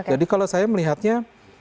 jadi kalau saya melihatnya